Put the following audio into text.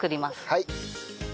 はい。